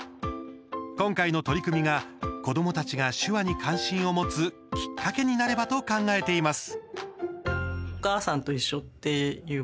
今回の取り組みが子どもたちが手話に関心を持つきっかけになればと考えています。